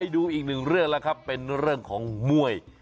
ดูอีกหนึ่งเรื่องแล้วครับเป็นเรื่องของมวย